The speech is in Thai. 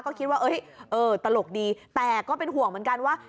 ก็คิดว่าเออตลกดีแต่ก็เป็นห่วงเหมือนกันว่า